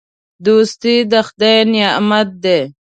دوستي د خدای نعمت دی.